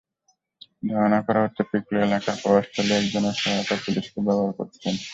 ধারণা করা হচ্ছে, পিকলু এলাকার প্রভাবশালী একজনের সহায়তায় পুলিশকে ব্যবহার করেছেন।